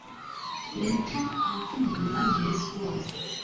ni hw abakunda umwami yesu bose